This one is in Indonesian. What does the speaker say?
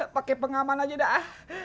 pake pengaman aja naf